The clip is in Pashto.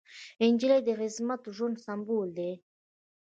نجلۍ د عزتمن ژوند سمبول ده.